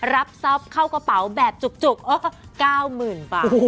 รับทรัพย์เข้ากระเป๋าแบบจุก๙๐๐๐บาท